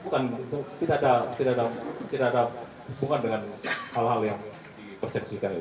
bukan tidak ada hubungan dengan hal hal yang dipersepsikan